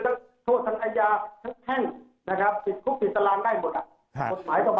กับโทษธนายาทั้งนะครับผิดคุกผิดตารางได้หมดอะ